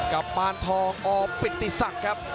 กับมารทองออปิศักดิ์กับ